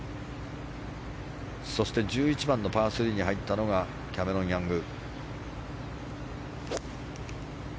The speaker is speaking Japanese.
そして１１番、パー３に入ったのがキャメロン・ヤング。